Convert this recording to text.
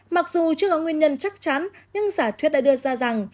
mặc dù chưa có nguyên nhân chắc chắn nhưng giả thuyết đã đưa ra rằng